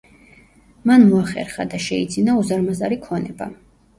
მან მოახერხა და შეიძინა უზარმაზარი ქონება.